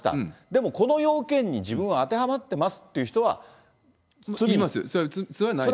でも、この要件に自分は当てはまってますっていう人は。それはないですね。